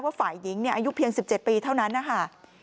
ฝ่ายหญิงอายุเพียง๑๗ปีเท่านั้นนะคะ